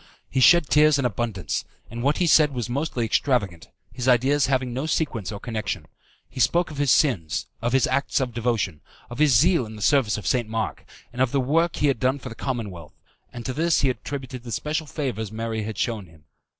He shed tears in abundance, and what he said was mostly extravagant, his ideas having no sequence or connection. He spoke of his sins, of his acts of devotion, of his zeal in the service of St. Mark, and of the work he had done for the Commonwealth, and to this attributed the special favours Mary had shewn him.